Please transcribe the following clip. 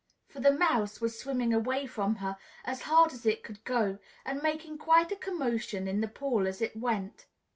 For the Mouse was swimming away from her as hard as it could go, and making quite a commotion in the pool as it went.